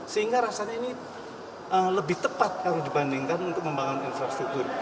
sehingga rasanya ini lebih tepat kalau dibandingkan untuk membangun infrastruktur